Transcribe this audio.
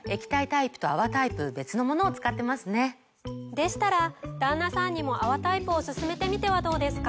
でしたら旦那さんにも泡タイプを薦めてみてはどうですか？